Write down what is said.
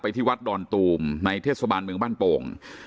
ที่วัดดอนตูมในเทศบาลเมืองบ้านโป่ง